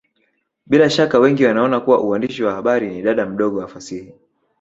Bila shaka wengi wanaona kuwa uandishi wa habari ni dada mdogo wa fasihi